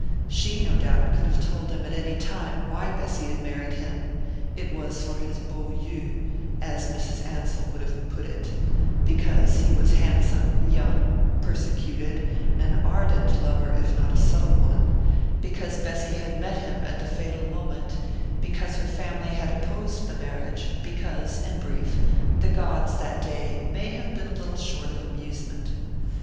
She, no doubt, could have told him at any time why Bessy had married him: it was for his beaux yeux, as Mrs. Ansell would have put it because he was young, handsome, persecuted, an ardent lover if not a subtle one because Bessy had met him at the fatal moment, because her family had opposed the marriage because, in brief, the gods, that day, may have been a little short of amusement.